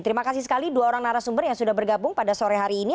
terima kasih sekali dua orang narasumber yang sudah bergabung pada sore hari ini